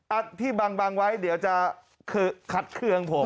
อ่ะพี่บังไว้เดี๋ยวจะขัดเคือมผม